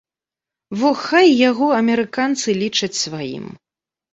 Во хай яго амерыканцы лічаць сваім.